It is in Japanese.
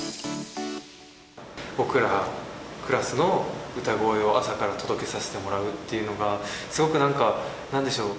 僕ら、クラスの歌声を朝から届けさせてもらうっていうのが、すごくなんか、なんでしょう？